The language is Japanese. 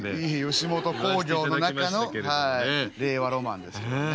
吉本興業の中の令和ロマンですけどね。